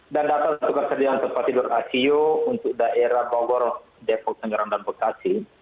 dan data ketersediaan tempat tidur aco untuk daerah bogor depok tanjir dan bekasi